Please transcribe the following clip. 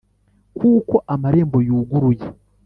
kuko amarembo yuguruye,